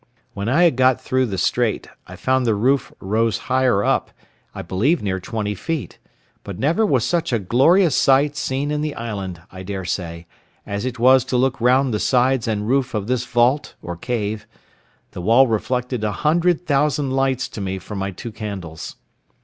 When I had got through the strait, I found the roof rose higher up, I believe near twenty feet; but never was such a glorious sight seen in the island, I daresay, as it was to look round the sides and roof of this vault or cave—the wall reflected a hundred thousand lights to me from my two candles.